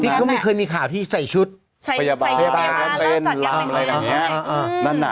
ที่เขาเคยมีข่าวที่ใส่ชุดใส่พยาบาลแล้วจัดการอะไรอย่างนี้